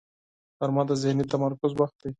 غرمه د ذهني تمرکز وخت دی